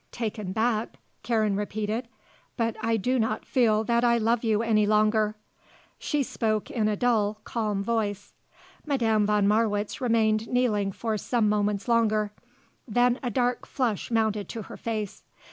"Taken back?" Karen repeated. "But I do not feel that I love you any longer." She spoke in a dull, calm voice. Madame von Marwitz remained kneeling for some moments longer. Then a dark flush mounted to her face.